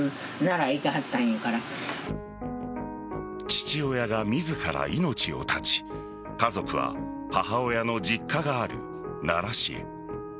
父親が自ら命を絶ち家族は母親の実家がある奈良市へ。